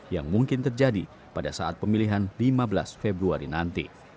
yang mungkin terjadi pada saat pemilihan lima belas februari nanti